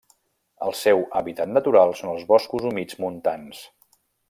El seu hàbitat natural són els boscos humits montans.